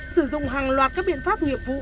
sử dụng hàng loạt các biện pháp nghiệp vụ